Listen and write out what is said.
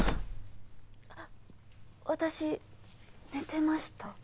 あっ私寝てました？